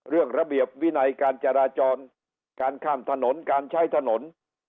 ระเบียบวินัยการจราจรการข้ามถนนการใช้ถนน